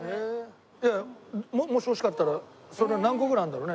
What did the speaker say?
いやもし欲しかったらそれ何個ぐらいあるんだろうね？